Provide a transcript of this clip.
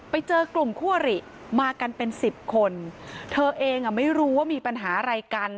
ไปเจอกลุ่มคั่วหรี่มากันเป็นสิบคนเธอเองอ่ะไม่รู้ว่ามีปัญหาอะไรกัน